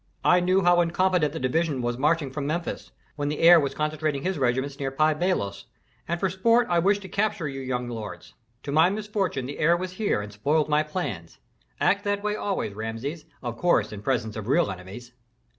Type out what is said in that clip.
"I knew how incompetently the division was marching from Memphis, when the heir was concentrating his regiments near Pi Bailos, and for sport I wished to capture you young lords. To my misfortune the heir was here and spoiled my plans. Act that way always, Rameses, of course in presence of real enemies."